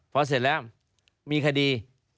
พอเสร็จแล้วมีคดี